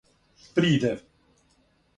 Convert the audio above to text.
придев